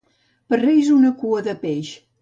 Per Reis, una cua de peix.